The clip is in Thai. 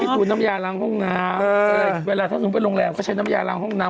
พี่ทูนน้ำยาล้างห้องน้ำเวลาท่านสูงไปโรงแรมก็ใช้น้ำยาล้างห้องน้ำ